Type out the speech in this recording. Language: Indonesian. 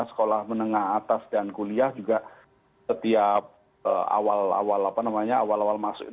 sekolah menengah atas dan kuliah juga setiap awal awal masuk